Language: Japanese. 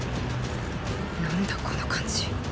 何だこの感じ